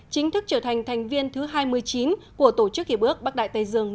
chính thức trở thành thành viên thứ hai mươi chín của tổ chức hiệp ước bắc đại tây dương